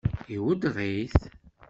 Iweddeṛ-it?